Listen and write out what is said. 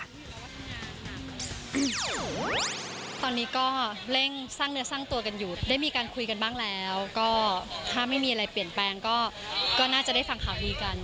ตอนนี้ก็เร่งสร้างเนื้อสร้างตัวกันอยู่ได้มีการคุยกันบ้างแล้วก็ถ้าไม่มีอะไรเปลี่ยนแปลงก็น่าจะได้ฟังข่าวดีกัน